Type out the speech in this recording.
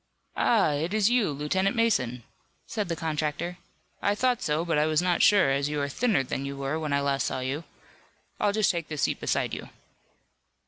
"Ah, it is you, Lieutenant Mason!" said the contractor. "I thought so, but I was not sure, as you are thinner than you were when I last saw you. I'll just take this seat beside you."